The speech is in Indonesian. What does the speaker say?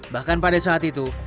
bahkan pada saat itu